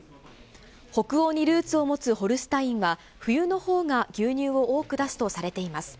北欧にルーツを持つホルスタインは、冬のほうが牛乳を多く出すとされています。